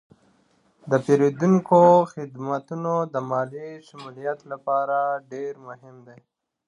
د پیرودونکو خدمتونه د مالي شمولیت لپاره ډیر مهم دي.